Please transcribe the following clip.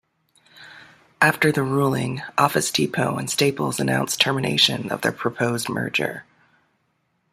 After the ruling, Office Depot and Staples announced termination of their proposed merger.